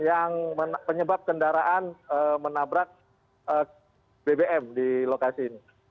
yang penyebab kendaraan menabrak bbm di lokasi ini